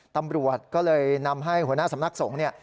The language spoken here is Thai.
ตำรวจก็เลยนำให้หัวหน้าสำนักสงฆ์เนี่ย